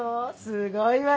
すごいわね！